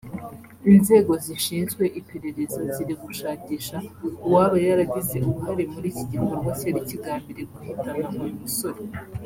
Inzego zishinzwe iperereza ziri gushakisha uwaba yaragize uruhare muri iki gikorwa cyari kigambiriye guhitana uyu musore